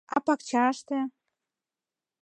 А пакчаште...